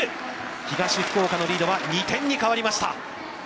東福岡のリードは２点に変わりました。